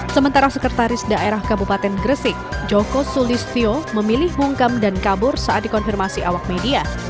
sementara sekretaris daerah kabupaten gresik joko sulistyo memilih bungkam dan kabur saat dikonfirmasi awak media